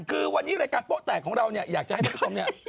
คือวันนี้รายการโป๊ะแตกของเราเนี่ยอยากจะให้ท่านผู้ชมเนี่ย